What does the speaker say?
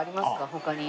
他に。